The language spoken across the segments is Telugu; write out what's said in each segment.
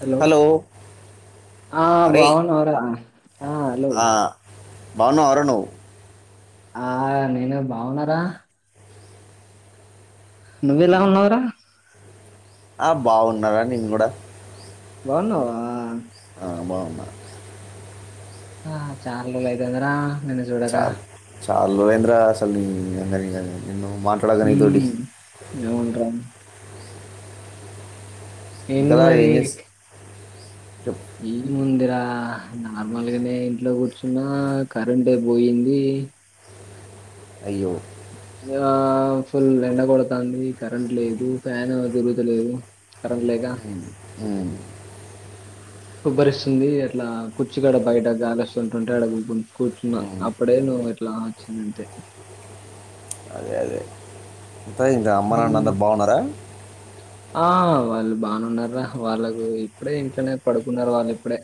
హలో ఆ అరే బావునవర హలో బాగున్నావర నువ్వు ఆ నేనే బాగున్నార నువ్వెలా ఉన్నావ్ రా ఆ బాగున్నారా నీను కూడా బాగున్నావా ఆ బా ఆ చాల్రోలైతాంది రా నిన్ను సూడగా చాల్రోజులైంది రా అసల్ అందరిని నిన్ను మాట్లాడగా హూ నీతోటి అవున్రా ఏంది ఇంకా మరి ఏం చేసి చెప్పు. ఏముందిరా నార్మల్గనే ఇంట్లో కూర్చున్నా కరెంట్ పోయింది అయ్యో ఆ ఫుల్ ఎండ కొడతంది కరెంట్ లేదు ఫ్యాన్ తిరుగుతలేదు కరెంట్ లేక ఉమ్ ఉబ్బరిస్తుంది అట్లా కుర్చిగడ బయట గాలస్ కూర్చుంటుంటే అడుగు కూర్చున్నా ఉమ్, అప్పుడే నువ్వు ఎట్లా వచ్చింది అంతే అంతా ఇంకా అమ్మ నాన్న హ్మ్. అందరు బాగున్నారా బానున్నార్రా వాళ్ళకు ఇప్పుడే ఇంట్లనే పడుకున్నారు వాళ్ళు ఇప్పుడే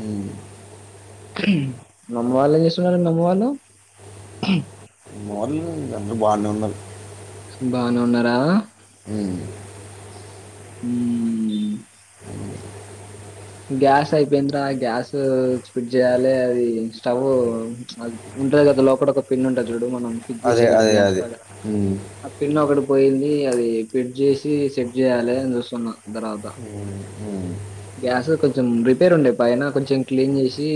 హు ఉమ్ మీ అమ్మ వాళ్ళు ఏం చేస్తున్నారండి అమ్మ వాళ్ళు మలు అందరు బానే ఉన్నారు బానే ఉన్నారా హు ఉమ్ అ [inaudible] గ్యాస్ అయిపోయిందిరా గ్యాస్ స్ట్ చేయాలే అది స్టవ్ అది ఉంటది కదా లోపట ఒక పిన్నుంటది చూడు ఫిక్స్ అదే చేసే కాడ అదే గ్యాస్ అదే కాడ ఉమ్, ఆ పిన్ ఒకడు పోయింది అది ఫిట్ చేసి సెట్ చేయాలె అని చూస్తున్నా తర్వాత ఉమ్, ఉమ్, గ్యాస్ కొంచెం రిపేర్ ఉండే పైన కొంచెం క్లీన్ చేసి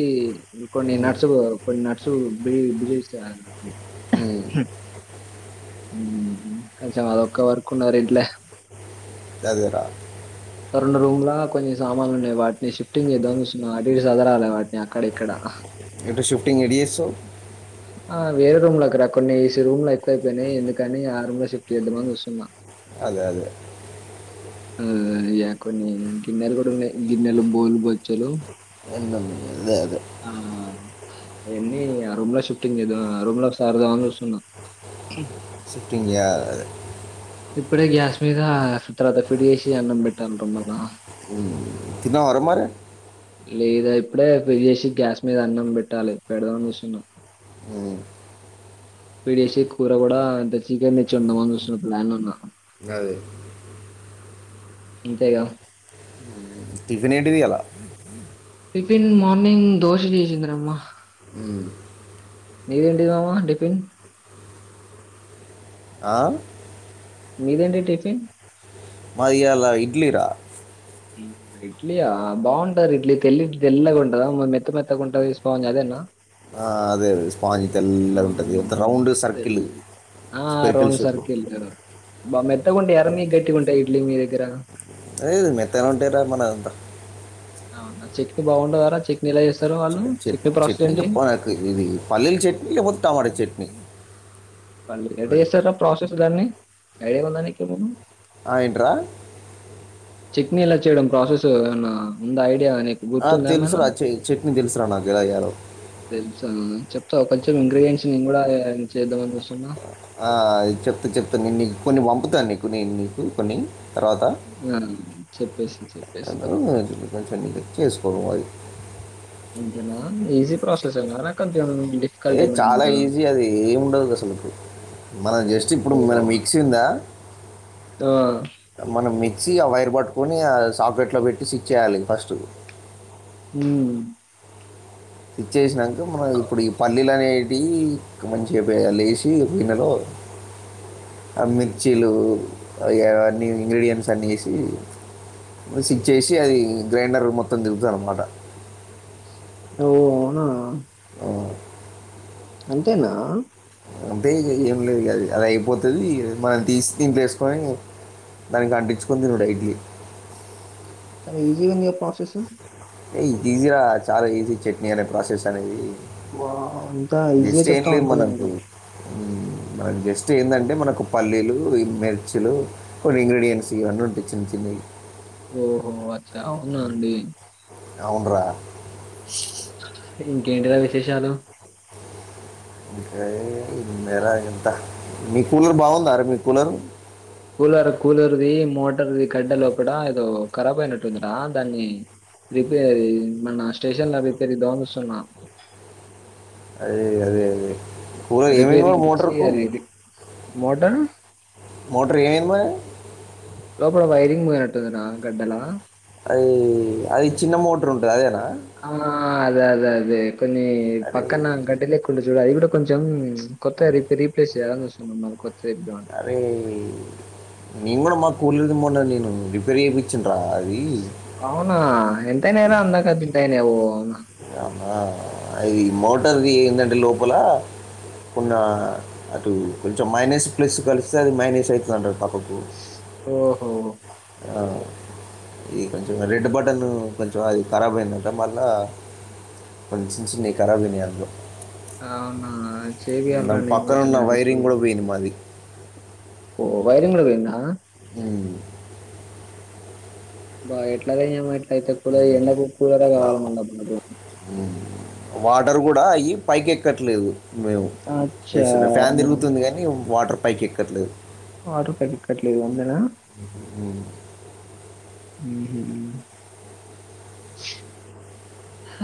కొన్ని ఉమ్, నట్స్ కొన్ని నట్సు బిగిస్త ఉమ్, ఉమ్ కొంచెం అదొక్క వర్క్ ఉన్నది రా ఇంట్లె అదేరా రెండు రూమ్ లా కొన్ని సామాన్లు ఉన్నాయి వాటిని షిఫ్టింగ్ చేద్దా అని చూస్తున్నా అటు ఇటు సదరాలే వాటిని అక్కడ ఇక్కడ ఎటు షిఫ్టింగ్ ఎటుచేస్తవ్ ఆ వేరే రూమ్లకు రా కొన్ని ఏసీ రూమ్ లో ఎక్కువ అయిపోయినయ్ ఎందుకని ఆ రూమ్ లో షిఫ్ట్ చేద్దామని చూస్తున్నా అదే అదే ఉమ్ ఇగ కొన్ని గిన్నెలు కూడా ఉన్నాయి గిన్నెలు బోలు బొచ్చలు అదే అదే ఆహ్ అయన్ని ఆ రూమ్ లో షిఫ్టింగ్ చేద్దాం ఆ రూమ్ లకి సర్దూదామని చూస్తున్నా ఇ [inaudible] ఇప్పుడే గ్యాస్ మీద తర్వాత ఫిడ్ చేసి అన్నం పెట్టాల్రా మల్ల తిన్నావా రా మరి లేదా అప్పుడే రిపేర్ చేసి గ్యాస్ మీద అన్నం పెట్టాలి పెడదామని చూస్తున్నా ఉమ్. పెట్టేసి కూర కూడా ఇంత చికెన్ తెచ్చి వండుదాము అని చూస్తున్న ప్లాన్ లో ఉన్న అదే అంతేగా టిఫిన్ ఏంటిది ఇయ్యాల టిఫ్న్ మార్నింగ్ దోస చేసింద్రమ్మా నీది ఏంటిది మామ టిఫిను ఆ మీదేంటి టిఫిన్ మాది ఇయ్యాల ఇడ్లీరా ఇడ్లీ ఆ బాగుంటది ఇడ్లీ తెల్ తెల్లగా ఉంటదా మెత్త మెత్తగా ఉంటంది స్పాంజ్ అదేనా. ఆ అదే అదే స్పాంజి తెల్లగా ఉంటుంది అవును. అంత రౌండ్ తెల్ సర్కిల్ ఆ స్పెర్కిల్ రౌండ్ షేప్ లో సర్కిల్ బా మెత్తకుంటయా మీయి గట్టికుంటాయి ఇడ్లీ మీ దగ్గర ఏ మెత్తగనే ఉంటే రా మనంతా అవునా చేట్నీ బాగుండద రా చాట్నీ లా వేస్ చె చట్నీ చెప్పాలనుకో ఇది పల్లీల్ చట్నీ లేపోతే టమోట చట్నీ పల్లీ ఎట్ట అది చేస్సార ప్రాసెస్ దాన్నీ ఐడియా ఉందా నీకు ఏమన్న ఆ ఏంట్రా చట్నీ ఎలా చేయడం ప్రాసెస్ ఏవన్న ఉందా ఐడియా అని ఆ తెలుసురా చె చెట్నీ తెలుసురా నాకు ఎలా చేయాలో చెప్తావ్ కొంచెం ఇంగ్ర్రిడియంట్స్ నేను కూడా చేద్దామని చూసున్నా ఆ చెప్త చెప్తాను నేను నీకు కొన్ని పంపుతాను నీకు నేను నీకు కొన్ని తర్వాత మ్మ్ చెప్పేసి చెప్పేసేయ్ [unintelligible] చెక్ చేసుకో వయ్ అంతేనా ఈజీ ప్రాసెసేనా రా కొంచం ఏ చాలా ఈజీ అది ఏమండదు అసలుకు మనం జస్ట్ ఇప్పుడు మన మిక్సిందా తా మనం మిక్సీ ఆ వైర్ పట్టుకొని ఆ సాకెట్లో పెట్టి స్విచ్ వేయాలి ఫస్ట్ ఊ స్విచ్చేసినా [inaudible] మన ఇప్పుడు ఈ పల్లిలనే బీ [unintelligible] ఏసి గిన్నెలో ఆ మిర్చీలు అవి అన్నీ ఇంగ్రీడియంట్స్ అన్ని వేసి స్విచ్ వేసి అది గ్రైండర్ మొత్తం తిప్పుతారూ అన్నమాట ఓ అవునా అంతేనా అంతే ఇగ ఏం లేదులే అది అది అయిపోతుది మనం తీసి దీంట్లో వేసుకొని దాన్ని అంటించుకొని తినుడే ఇట్లీ చాలా ఈజీగుంది గా ప్రాసెస్ ఏ ఇది ఈజీరా చాలా ఈజీ చట్నీ అనే ప్రాసెస్ అనేది వావ్ ఇంత ఈజీగా చెప్తావు అనుకోలే నేను ఉమ్ అది జస్ట్ ఏందంటే మనకు పల్లీలు మిర్చులు కొన్ని ఇంగ్రీడియంట్స్ ఇవన్నీ ఉంటాయి చిన్న చిన్నయి ఓహో అచ్చా అవునా అండి అవునురా ఇంకేంటి రా విశేషాలు [inaudible] చెప్తా మీ కూలర్ బావుందారా మీ కూలరు కూలర్ కూలర్ది మోటర్ది కడ్డ లోపట ఏదో ఖరాబ్ అయినట్టుందిరా దాన్ని రిపేర్ మన స్టేషన్ లో రిపేర్ ఇద్దాం అని చూస్తున్నా అదే అదే అదే [unintelligible] ఏమైంది మా మోటార్కు మోటా మోటర్ ఏంమేం పోయే లోపట వైరింగ్ పోయి నట్టుందినా గడ్డలా అది అది చిన్న మోటర్ ఉంటది అదేనా ఆ ఆ అదే అదే అదే కొన్ని అరే పక్కన గడ్డి లేకుం అది కూడా కొంచెం కొత్తగ రిప్ రీప్లేస్ చేయాలని చూస్తున్నాం మళ్ళ కొత్తది ఎపి అరే నేను కూడా మా కూలర్ది మొన్న నేను రిపేర్ చేపిచ్చిన నా అది ఎంతైనాయి అన్న అందదా గింత అయినాయ ఓ అవునా ఆ అది మోటర్ది ఏందంటే లోపల కొన్న అటు కొంచెం మైనస్ ప్లస్ కలిస్తే అది మైనస్ అవుతుందింట ఓహో ఆ ఈ కొంచెం రెడ్ బటన్ కొంచెం అది ఖరాబ్ అయిందంటే మళ్ళీ కొంచ చిన్న చిన్నవి ఖరాబయినాయి అందులో అవునా చేపియాలిరా నేను పక్కన కూడా ఉన్న చిన్నగా వైరింగ్ తీసుకుపోయి కూడా పోయింది మాది ఓ వైరంగ్ కూడా పోయిందా ఉమ్. బా ఎట్లాగ ఏమ ఎట్లయితే కూలర్ ఎండకు కూలరే కావాలి మళ్ళ అట్లా వాటర్ కూడా అయిి పైకి ఎక్కట్లేదు మేము అచ్చా వస్తున్నా ఫ్యాన్ అవునా తిరుగుతుంది కానీ వాటర్ పైక్ ఎక్కట్లేదు వాటర్ పైకి ఏకట్లేదు అంతేనా హ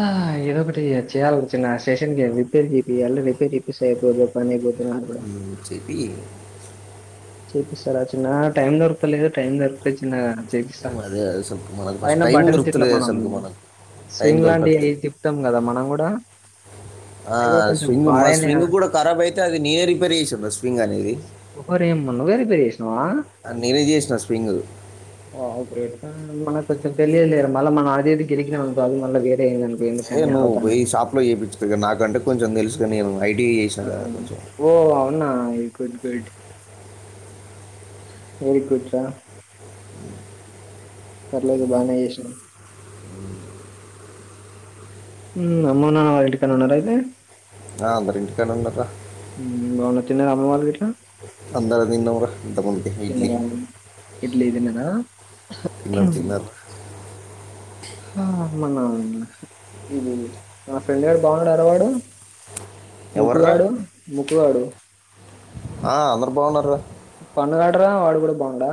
ఆ ఏదో ఒకటి చేయాలి చిన్నగా స్టేషన్కి రిపేర్ చెయ్యాలి రిపేర్ చేయిస్తే అయిపోతది పని అయిపోద్ది రా అనుకున్న చెపి చపిస్తారా చిన్నగా టైం దొరకుతలేదు టైం దొరికితే చిన్నగా అదే అసలు మనకు ఫస్ట్ టైం బటన్స్ ఇట్లా దొరుకుతలేదు మనం అసలుకు మనకు టైం స్వింగ్ లాంటివి దొరకట్లేదు తిప్పుతాం కదా మనం కూడా ఆ అవి కూడా కొంచెం స్వింగ్ మా పాడైన స్వింగ్ కూడా కరాబ్ అయితే అది నేనే రిపేర్ చేసిన రా స్వింగ్ అనేది ఓహో రేయమ్మ నువ్వే రిపేర్ చేసి అది నేనే చేసిన స్వింగ్ వావ్ గ్రేట్ మనకు కొంచం తెలియదులే,, మళ్ళీ మనం అది ఇది గలికిినామనుకో అవి మళ్ల వేరే అయింది అనుకో ఏ నువ్వ పోయి షాప్ లో చేపించికో ఇగ నాకంటే కొంచెం తెలుసు ఇగ నిను ఓ అవునా ఇ గుడ్ డ్ వెరీ గుడ్ రా పర్లేదు బానే చేసినవ్ హు అమ్మ నాన్న వాళ్ళ ఇంటికాన్నే ఉన్నారా అయితే ఆ అందరూ ఇంటికడ వున్నారు రా ఉమ్ బాగున్నా తిన్నారా అందము తిన్నాం రా తిన్నదా ఇడ్లీ తిన్నాదా తిన్నారు హా తిన్నారు హా మనా ఇది ది మా ఫ్రెండ్ గాడు బాగున్నాడ అర వాడు ఎవర్రా ముక్కుగాడు ముక్కుగాడు ఆ అందరు బాగున్నార్ రా పండుగాడరా వాడు కూడా బాగుండా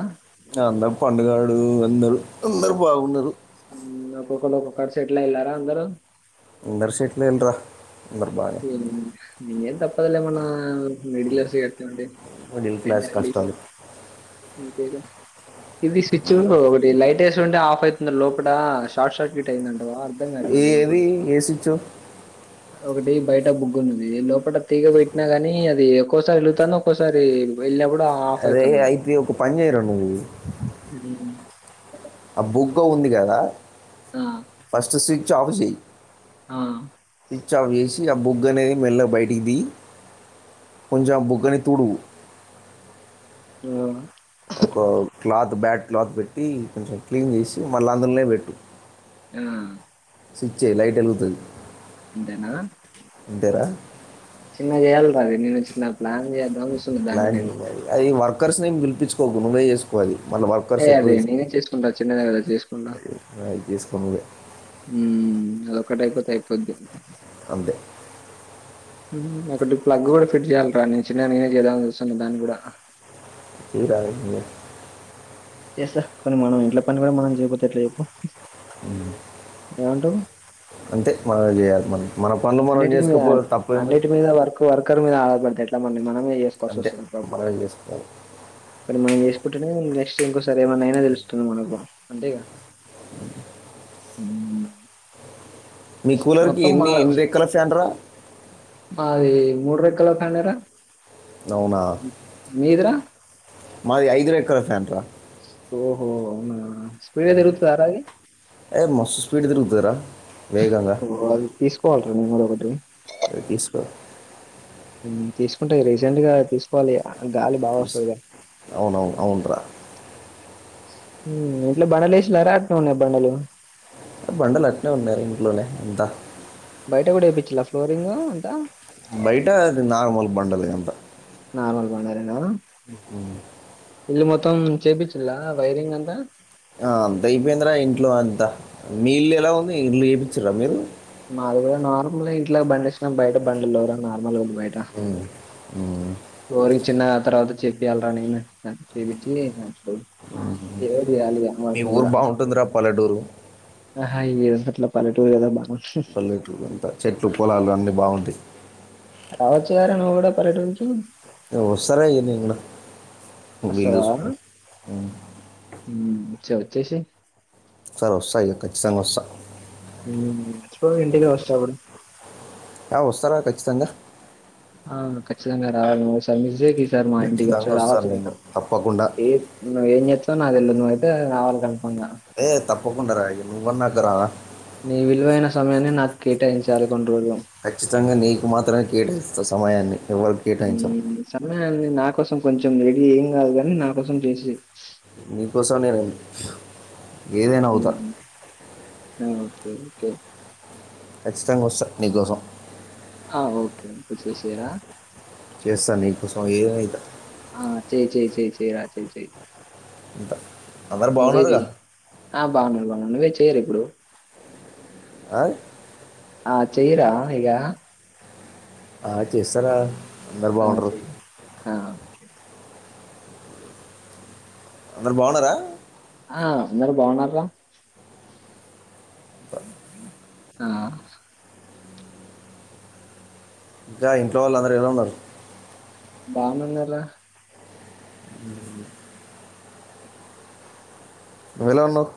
అందరు పండుగాడు అందరు అందరు బాగున్నారు మ్మ్ ఒక్కొక్కరు ఒక్కొక్కరు సెటిల్ అయిన్లారా అందరూ అందరు సెటిల్ అయిన్ రా నేం తప్పదలే మొన్న మిడిల్స్ వి అట్లనే ఉంటే మిడిల్ క్లాస్ మెంటాలిటీస్ే కష్టాలు ఇది స్విచ్ ఒకటి లైటెస్ట్ వుండుండి ఆఫ్ అయితుంది లోప షార్ట్ సర్క్యూట్ అయిందండి ఏ ఏది ఏసిచ్చు ఒక టీమ్ బయట బుగ్గున్నది లోపల తీగ పెట్టినా గాని అది ఒక్కోసారి వెళతాను ఒక్కోసారి వెళ్ళినప్పుడు ఆఫ్ అదే అవుతుంది అయితే ఒక పనిచేయర నువ్వు ఉమ్. జద ఆ ఫస్ట్ సి చ్ ఆఫ్ చే ఆ స్చ్ ఆాఫ్ చేసి ఆ బుగ్గ అనేది మెల్ల బయటికి ది కొంచెం ఆ బుగ్గని తుడువు ఓనా ఒక క్లాత్ బ్యాట్ క్లాత్ పెట్టి కొంచెం క్లీన్ చేసి మళ్ళీ అందలోనే పెట్టు ఆ స్విచ్ ఏయ్ లైట్ ఎలుగతది ఇంతేనా ఇంటరా చిన్నగా యాల్రా ఇన్ని తెచ్చుకున్నారు ప్లాన్ చేద్దాం శుద్ధామలే నేను కుక్కర్స్నిి ఏం పిలిపించుకోకు నువ్వే చేసుకో కోవాలి ఏయ్ అది నేనే చేసుకుంటా చిన్నదేగా చేసుకుంటా తీసుకోనిలే మ్మ్ అ ఒకటి అయితే అయిపోద్ది అంతే మ్మ్ ఒకటి ప్లగ్ కూడా ఫిట్ చేయ్యాలరా నేను చిన్నగనే చేద్దామని చూస్తున్నా దాన్ని కూడా తీ రాద్ లే చేస్తా కొన్ని మనం ఇంట్లో పని కూడా మనం చేయక పోతే ఎట్లా చెప్పు మ్మ్ ఏమంటవు? అంతే మనం చేయాల్సిన్ అన్నిటి మీద అన్నింటి మీద వర్క్ వర్కర్ మీద ఆధారపడితే. ఎట్లా మన మనమే చేసుకోవాల్సి అంతే వస్తుంది. అప్పుడప్పుడు మనమే చేసుకోవాలి కొన్ని మనం చేసుకుంటేనే నెక్స్ట్, [unintelligible] ఈసారి ఏమన్నఅయినా తెలుస్తుంది మనకు, అంతేగా హ్మ్. మీ కూలర్ కి మొత్తం ఎన్ని ఎన్ని రే, కల సంటరా, అది మూడు రెక్కల ఫ్యానే రా, అవునా మీది రా, మాది ఐదు రెక్కల ఫ్యాన్ రా, ఓహో ఔనా ఏ మస్త్ స్పీడ్ తిరుగుతది రా, ఓ అది తీసుకోవాలిరా మేము కూడ ఒకటి, అది తీసుకో హు తీసుకుంటా రీసెంట్ గా తీసుకోవాలి ఇగ, ఇస్ అవునవును అవునురా, ఇంట్లో బండలు ఎశిలారా అట్నే ఉన్నాయా బండలు, బండలు అట్నే ఉన్నాయి ఇంట్లోనే అంతా, బయట కూడా వేపించలా ఫ్లోరింగ్ అంత, బయట అది నార్మల్ బండలే అంత, నార్మల్ బండ లేనా, [unintelligible] ఇల్లు మొత్తం చేపిచ్చిళ్ళ వైరింగ్ అంతా, ఆ బై అయిపోయిందరా ఇంట్లో అంతా మీ ఇల్లు ఎలా ఉంది ఇల్లు చేపిచ్చిర్రా మీరు, మాది కూడా నార్మల్ ఇంట్ల బండలు ఏసి, బయట బండలు లేవు రా నార్మల్ ఉంది రా బయట, ఉమ్, ఉమ్. ఫ్లోరింగ్ చిన్నగ తర్వాత చేపియ్యాలిరా నేను చేపించి, ఏదో ఒకటి చేయాలి మీ వాటిని ఊరు కూడా బాగుంటుందిరా పల్లెటూరు హయ్యో అట్లా, పలెటూరు గదా బా, పల్లెటూరు అంతా చెట్లు పొలాలు అన్ని బాగుంటాయి, రావచ్చు కదా రా నువు కూడా పల్లెటూరుకు, ఇగ వస్తా రా నేను గూడ వీలు వస్తావా చూసుకొని, చె వచ్చేసేయ్, సరే వస్తా ఇగా ఖచ్చితంగా వస్తా, ఎప్పుడు ఇంటికి వాసతా అప్పుడు, య్య వస్తారా ఖచ్చితంగా, ఆ ఖచ్చతంగా రావాలి నువూ ఈసారి మిస్ చెయ్యకు, సార్ మా ఇంటికి వచ్చు ఖచ్చితంగా వస్తాను రావచ్చుకద నేను తప్పకుండా ఏ నువ్ ఏం చేస్తావ్ నా తెలిద్ నువ్ ఎ రారు ఏ తప్పకుండా రా నువ్ అన్నాక రానా నీ విలువైన సమయాన్ని నాక్ కేటాయించాలి కొన్ని రోజులు ఖచ్చితంగా నీకు మాత్రమే కేటాయిస్తా సమయాన్ని ఎవరికి కేటాయించాం ఉమ్ సమయాన్ని నా కోసం కొంచ్ కొందరికి ఏం కాదు గని నా కోసం చేసి నీకోసం నేను ఏదైనా అవుతా ఉమ్ అహ్ ఉమ్ కే ఖచ్చితంగా వస్తా నీకోసం ఆ ఓకే చేసేసిరా చేస్తాను నీకోసం ఏమైద ఆ చే చే చెయ్ చే ఆ చే చెయ్ ఇంత అందరు నువే బాగున్నారుగా చేయ్ ఆ బావుంది బౌన్ నువే చే టెర్ ఇప్పుడు ఆ ఆ చయిరా ఇగ ఆ చేస్తారా అందరు ఆ బాగుంటారు చేయ్ ఆ [unintelligible] అందరు బావున్నరా ఆ అందరు బాగున్నర్ర ఆ ఇంకా ఇంట్లో వాళ్లందర్ ఎలా ఉన్నారు బాగునున్నరా ఉమ్ వేళ ఉన్నవ్